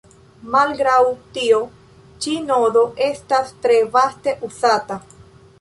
Malgraŭ tio, ĉi nodo estas tre vaste uzata.